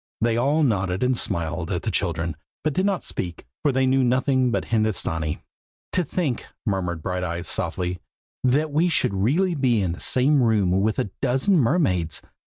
They all nodded and smiled at the children, but did not speak, for they knew nothing but Hindostanee. "To think," murmured Brighteyes, softly, "that we should really be in the same room with a dozen mermaids!